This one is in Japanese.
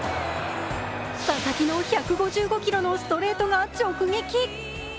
佐々木の１５５キロのストレートが直撃。